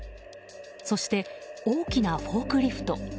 そして、大きなフォークリフト。